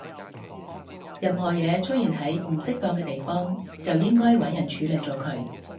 任何嘢出現喺唔適當嘅地方，就應該搵人處理咗佢